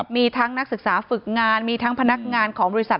มีทั้งนักศึกษาฝึกงานมีทั้งพนักงานของบริษัท